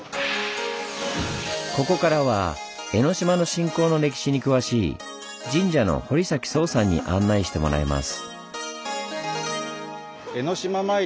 ここからは江の島の信仰の歴史に詳しい神社の堀嵜壮さんに案内してもらいます。